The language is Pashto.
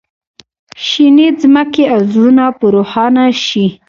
شینې ځمکې او زړونه په روښانه شي.